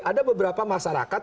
ada beberapa masyarakat